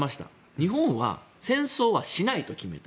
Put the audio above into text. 日本は戦争はしないと決めた。